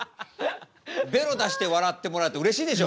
ベロ出して笑ってもらうってうれしいでしょ？